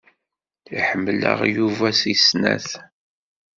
Iḥemmel-aɣ Yuba seg snat.